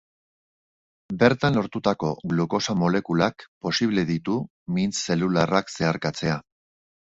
Bertan lortutako glukosa molekulak posible ditu mintz zelularrak zeharkatzea.